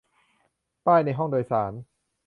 ป้ายในห้องโดยสาร